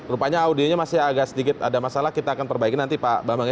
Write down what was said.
rupanya audionya masih agak sedikit ada masalah kita akan perbaiki nanti pak bambang ya